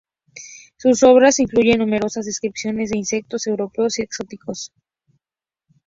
Sus obras incluyen numerosas descripciones de insectos europeos y "exóticos".